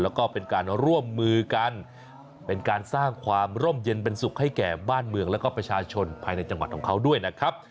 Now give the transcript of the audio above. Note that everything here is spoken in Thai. แล้วก็เป็นการร่วมมือกันเป็นการสร้างความร่มเย็นเป็นสุขให้แก่บ้านเมืองแล้วก็ประชาชนภายในจังหวัดของเขาด้วยนะครับ